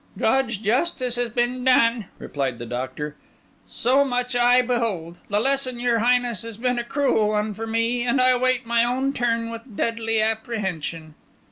"God's justice has been done," replied the Doctor. "So much I behold. The lesson, your Highness, has been a cruel one for me; and I await my own turn with deadly apprehension."